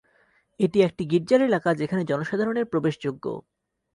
এটি একটি গির্জার এলাকা যেখানে জনসাধারণের প্রবেশযোগ্য।